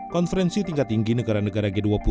konferensi tingkat tinggi negara negara g dua puluh